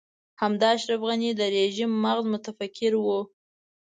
همدا اشرف غني د رژيم مغز متفکر و.